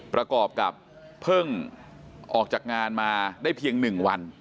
ประกอบกับเพิ่งออกจากงานมาได้เพียง๑วัน